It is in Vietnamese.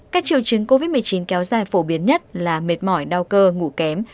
các triệu chứng covid một mươi chín kéo dài phổ biến nhất là mệt mỏi đau cơ ngủ kém